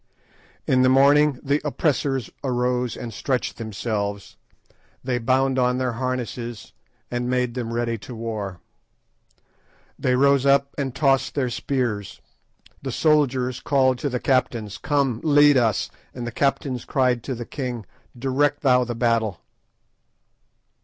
"In the morning the oppressors arose and stretched themselves; they bound on their harness and made them ready to war. "They rose up and tossed their spears: the soldiers called to the captains, 'Come, lead us'—and the captains cried to the king, 'Direct thou the battle.